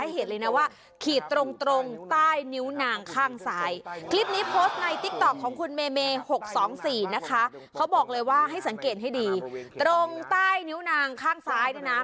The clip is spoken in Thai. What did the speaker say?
ให้สังเกตให้ดีตรงใต้นิ้วนางข้างซ้ายนะนะ